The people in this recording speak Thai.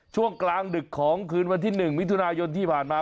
ช่วงกลางดึกของคืนวันที่๑มิถุนายนที่ผ่านมา